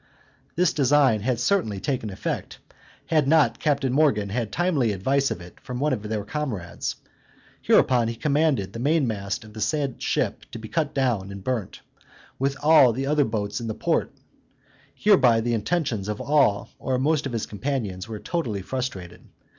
This design had certainly taken effect, had not Captain Morgan had timely advice of it from one of their comrades; hereupon he commanded the mainmast of the said ship to be cut down and burnt, with all the other boats in the port: hereby the intentions of all or most of his companions were totally frustrated.